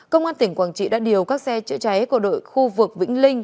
công an tỉnh quảng trị đã điều các xe chữa cháy của đội khu vực vĩnh linh